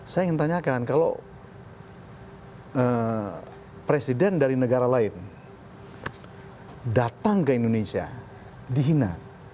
saya ingin tanyakan kalau presiden dari negara lain datang ke indonesia dihina